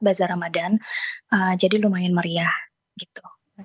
bazar ramadan jadi lumayan meriah gitu